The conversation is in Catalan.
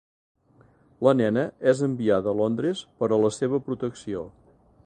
La nena és enviada a Londres per a la seva protecció.